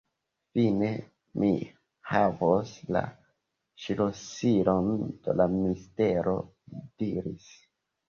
Fine mi havos la ŝlosilon de la mistero, li diris.